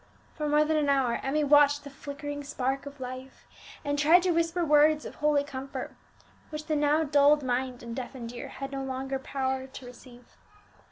For more than an hour Emmie watched the flickering spark of life, and tried to whisper words of holy comfort, which the now dulled mind and deafened ear had no longer power to receive.